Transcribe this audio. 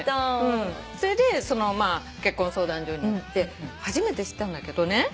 それで結婚相談所に行って初めて知ったんだけどね。